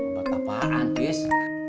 obat apaan tentis